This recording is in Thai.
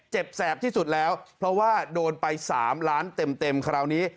แสบที่สุดแล้วเพราะว่าโดนไป๓ล้านเต็มคราวนี้